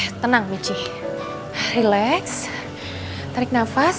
oke tenang michi relax tarik nafas